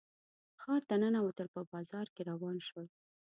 ښار ته ننوتل په بازار کې روان شول.